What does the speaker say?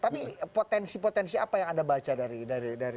tapi potensi potensi apa yang anda baca dari